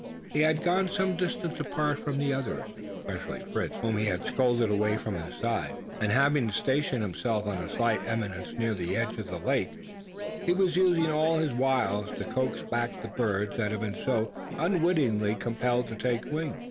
He had gone some distance apart from the others, and especially from Fritz, whom he had scolded away from his side; and, having stationed himself on a slight eminence near the edge of the lake, he was using all his wiles to coax back the birds that had been so unwittingly compelled to take wing.